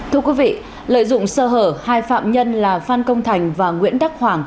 thưa quý vị lợi dụng sơ hở hai phạm nhân là phan công thành và nguyễn đắc hoàng